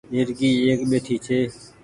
جهرڪي ايڪ ٻهٺي ڇي